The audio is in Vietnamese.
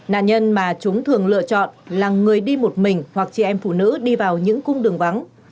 nạn nhân mà chúng thường lựa chọn là người đi một mình hoặc chị em phụ nữ đi vào những cung đường vắng